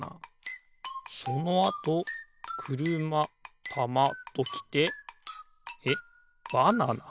そのあとくるまたまときてえっバナナ？